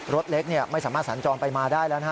รถเล็กไม่สามารถสันจองไปมาได้แล้ว